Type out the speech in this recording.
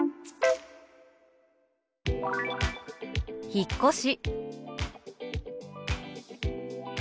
「引っ越し」。